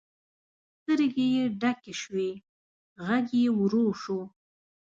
سترګې یې ډکې شوې، غږ یې ورو شو.